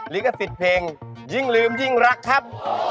ลิขสิทธิ์เพลงยิ่งลืมยิ่งรักครับ